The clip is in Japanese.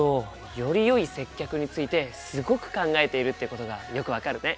よりよい接客についてすごく考えているってことがよく分かるね。